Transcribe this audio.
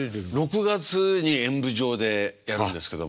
６月に演舞場でやるんですけども。